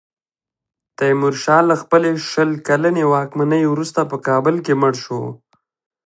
تیمورشاه له خپلې شل کلنې واکمنۍ وروسته په کابل کې مړ شو.